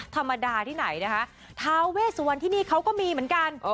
ทาเวสวรที่นี่เขาก็มีเหมือนกัน